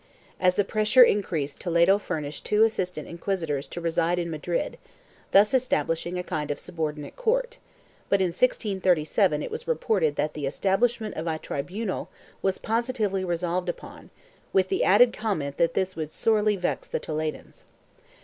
As the pressure increased Toledo furnished two assistant inquisitors to reside in Madrid, thus, establishing a kind of subordinate court, but in 1637 it was reported that the establishment of a tribunal was positively resolved upon, with the added comment that this would sorely vex the Toledans.